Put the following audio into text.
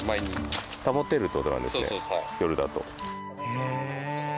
へえ。